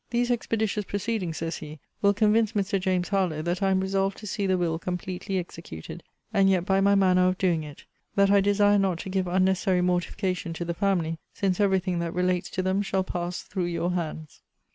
] These expeditious proceedings, says he, will convince Mr. James Harlowe that I am resolved to see the will completely executed; and yet, by my manner of doing it, that I desire not to give unnecessary mortification to the family, since every thing that relates to them shall pass through your hands.